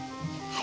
はい。